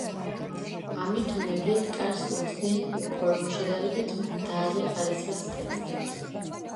ამით უნებლიეთ კარს უხსნიან უფორმო, შედარებით მდარე ხარისხის ტექსტებს.